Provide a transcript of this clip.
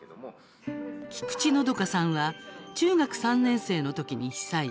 菊池のどかさんは中学３年生の時に被災。